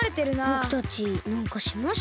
ぼくたちなんかしました？